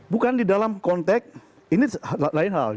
bukan di dalam konteks ini lain hal